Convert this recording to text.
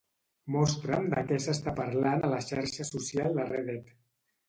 Mostra'm de què s'està parlant a la xarxa social de Reddit.